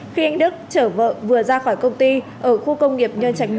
khi anh đức trở vợ vừa ra khỏi công ty ở khu công nghiệp nhơn trạch một